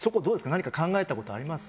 何か考えたことあります？